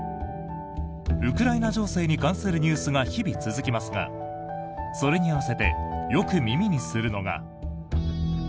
ウクライナ情勢に関するニュースが日々続きますがそれに合わせてよく耳にするのが。